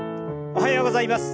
おはようございます。